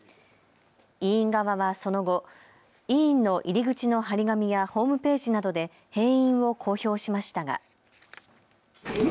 医院側はその後、医院の入り口の張り紙やホームページなどで閉院を公表しましたが。